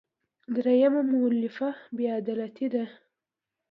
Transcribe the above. درېیمه مولفه بې عدالتي ده.